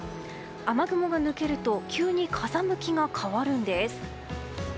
雨雲が抜けると急に風向きが変わるんです。